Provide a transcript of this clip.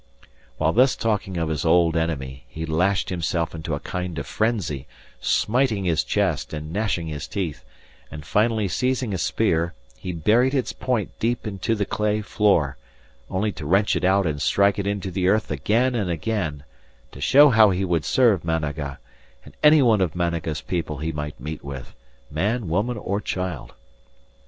While thus talking of his old enemy he lashed himself into a kind of frenzy, smiting his chest and gnashing his teeth; and finally seizing a spear, he buried its point deep into the clay floor, only to wrench it out and strike it into the earth again and again, to show how he would serve Managa, and any one of Managa's people he might meet with man, woman, or child.